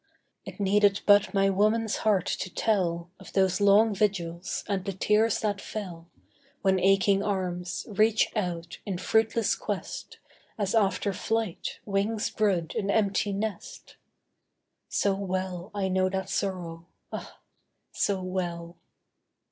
It needed but my woman's heart to tell Of those long vigils and the tears that fell When aching arms reached out in fruitless quest, As after flight, wings brood an empty nest. (So well I know that sorrow, ah, so well.)